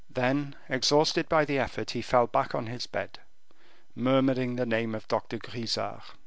Then, exhausted by the effort, he fell back on his bed, murmuring the name of Dr. Grisart.